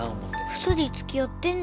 ２人つきあってんの？